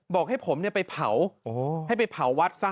บอกให้ผมไปเผาให้ไปเผาวัดซะ